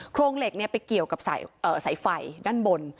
โครงเหล็กไปเกี่ยวกับสายไฟด้านบน